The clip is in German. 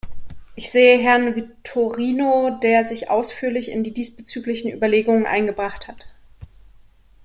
Ich sehe Herrn Vitorino, der sich ausführlich in die diesbezüglichen Überlegungen eingebracht hat.